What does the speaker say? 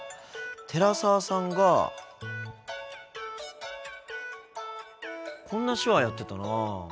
寺澤さんがこんな手話やってたな。